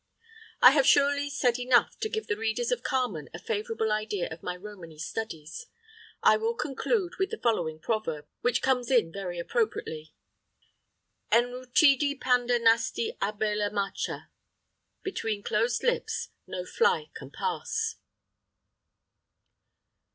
I have surely said enough to give the readers of Carmen a favourable idea of my Romany studies. I will conclude with the following proverb, which comes in very appropriately: En retudi panda nasti abela macha. "Between closed lips no fly can pass."